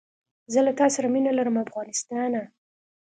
زه له تاسره مینه لرم افغانستانه